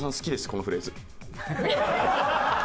このフレーズ。